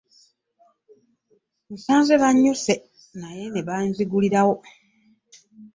Nsanze bannyuse naye ne banzigulirawo.